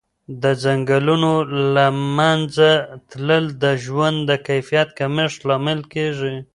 د ځنګلونو له منځه تلل د ژوند د کیفیت کمښت لامل کېږي.